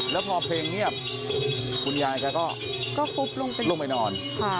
แล้วพอเพลงเนี่ยคุณยายก็ลงไปนอน